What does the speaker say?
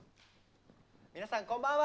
皆さんこんばんは。